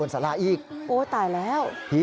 สายลูกไว้อย่าใส่